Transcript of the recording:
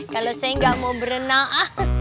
kalau saya nggak mau berenang